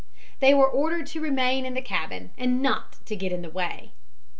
They were ordered to remain in the cabin and not get in the way.